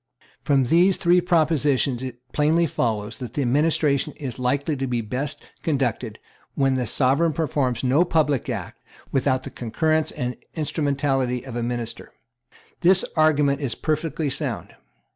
From these three propositions it plainly follows that the administration is likely to be best conducted when the Sovereign performs no public act without the concurrence and instrumentality of a minister. This argument is perfectly sound.